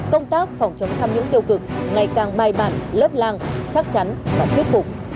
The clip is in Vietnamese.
công tác phòng chống tham nhũng tiêu cực ngày càng bài bản lớp lang chắc chắn và thuyết phục